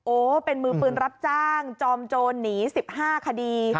เป็นมือปืนรับจ้างจอมโจรหนี๑๕คดี